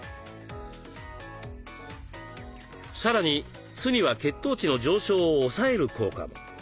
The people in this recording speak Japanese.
さらに酢には血糖値の上昇を抑える効果も。